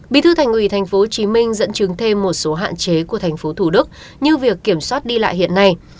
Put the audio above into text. bí thư tp thủ đức dẫn chứng thêm một số hạn chế của tp thủ đức như việc kiểm soát đi lại hiện nay